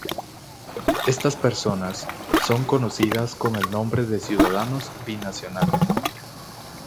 Estas personas, son conocidas con el nombre de ciudadanos binacionales.